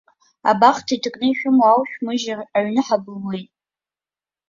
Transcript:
Абахҭа иҭакны ишәымоу аушәмыжьыр аҩны ҳбылуеит!